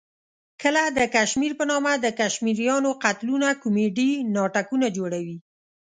کله د کشمیر په نامه د کشمیریانو قتلونه کومیډي ناټکونه جوړوي.